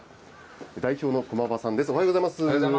代表の駒場さんです。